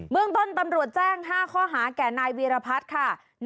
เมืองต้นตำรวจแจ้ง๕ข้อหาแก่นายวีรพัฒน์ค่ะ